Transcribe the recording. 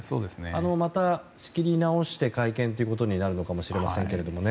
また仕切り直して会見ということになるのかもしれませんけどね。